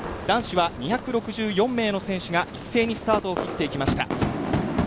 男子は２６４名の選手が一斉にスタートを切っていきました。